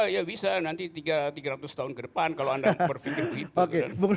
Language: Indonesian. ya bisa nanti tiga ratus tahun ke depan kalau anda berpikir begitu